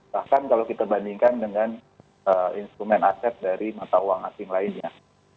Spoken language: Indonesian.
bahkan kalau kita bandingkan dengan instrumen asset dari mata uang masing masing lainnya